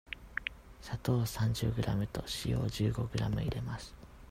砂糖を三十グラムと塩を十五グラム入れます。